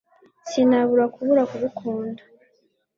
sinabura kubura kugukunda